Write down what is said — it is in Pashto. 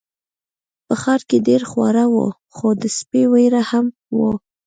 په ښار کې ډیر خواړه وو خو د سپي ویره هم وه.